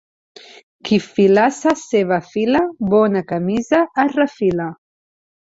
Qui filassa seva fila bona camisa es refila.